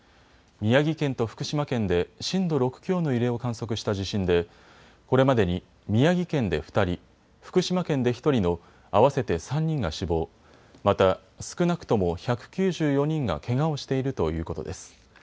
宮城県と福島県で震度６強の揺れを観測した地震でこれまでに宮城県で２人、福島県で１人の合わせて３人が死亡、また、少なくとも１９４人がけがをしているということです。